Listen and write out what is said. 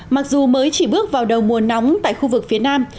mặc dù mới chỉ bước vào đầu mùa nóng tại khu vực phía nam